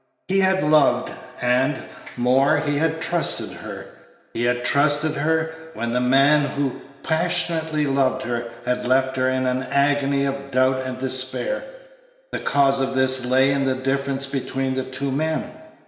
He had loved, and, more, he had trusted her he had trusted her, when the man who passionately loved her had left her in an agony of doubt and despair. The cause of this lay in the difference between the two men.